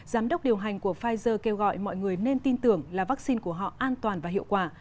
giám đốc điều hành của pfizer kêu gọi mọi người nên tin tưởng là vaccine của họ an toàn và hiệu quả